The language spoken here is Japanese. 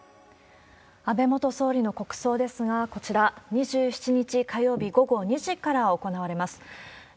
安倍元総理の国葬ですが、こちら、２７日火曜日午後２時から行われます。